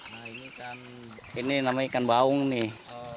nah ini kan ini namanya ikan baung nih